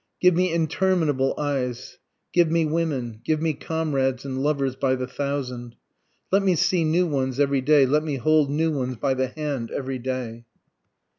Give me interminable eyes give me women give me comrades and lovers by the thousand! Let me see new ones every day let me hold new ones by the hand every day!